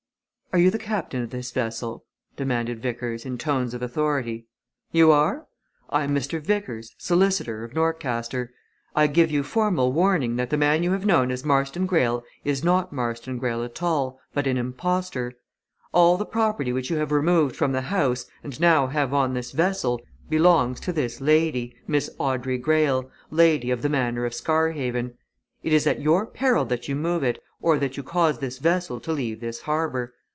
"Are you the captain of this vessel?" demanded Vickers in tones of authority. "You are? I am Mr. Vickers, solicitor, of Norcaster. I give you formal warning that the man you have known as Marston Greyle is not Marston Greyle at all, but an impostor. All the property which you have removed from the house, and now have on this vessel, belongs to this lady, Miss Audrey Greyle, Lady of the Manor of Scarhaven. It is at your peril that you move it, or that you cause this vessel to leave this harbour.